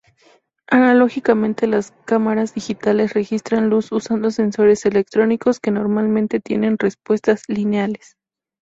Análogamente las cámaras digitales registran luz usando sensores electrónicos que normalmente tienen respuestas lineales.